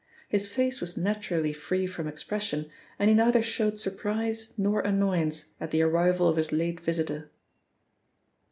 His face was naturally free from expression, and he neither showed surprise nor annoyance at the arrival of his late visitor.